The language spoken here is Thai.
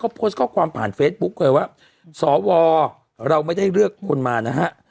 โพสต์ข้อความผ่านเฟซบุ๊กเลยว่าสวเราไม่ได้เลือกคนมานะฮะ